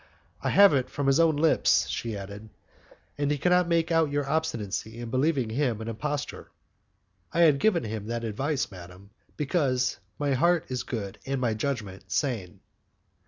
"I have it from his own lips," she added, "and he cannot make out your obstinacy in believing him an impostor." "I have given him that advice, madam, because my heart is good, and my judgment sane."